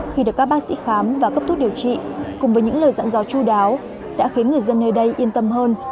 khi được các bác sĩ khám và cấp thuốc điều trị cùng với những lời dặn dò chú đáo đã khiến người dân nơi đây yên tâm hơn